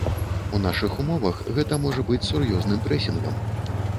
У нашых умовах гэта можа быць сур'ёзным прэсінгам.